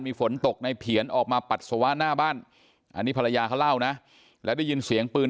มีฝนตกในเพียนออกมาปัสสาวะหน้าบ้านอันนี้ภรรยาเขาเล่านะแล้วได้ยินเสียงปืน